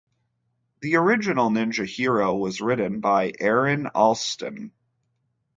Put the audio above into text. The original Ninja Hero was written by Aaron Allston.